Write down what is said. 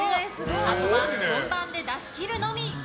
あとは本番で出し切るのみ。